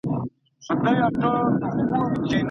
د زیږون وروسته خپګان څه شي دی؟